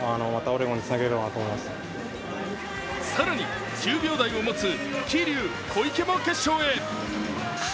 更に９秒台を持つ桐生、小池も決勝へ。